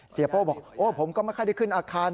เสียโป้บอกผมก็ไม่ค่อยได้ขึ้นอาคาร